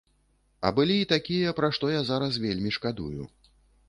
А былі і такія, пра што я зараз вельмі шкадую.